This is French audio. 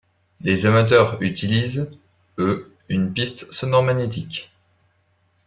Les amateurs utilisent, eux une piste sonore magnétique.